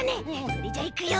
それじゃいくよ。